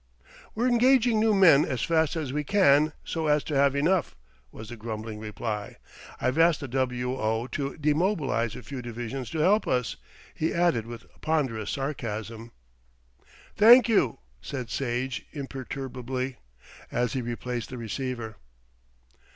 "We're engaging new men as fast as we can so as to have enough," was the grumbling reply. "I've asked the W.O. to demobilise a few divisions to help us," he added with ponderous sarcasm. "Thank you," said Sage imperturbably, as he replaced the receiver.